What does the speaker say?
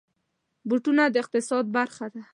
بوټونه د اقتصاد برخه ده.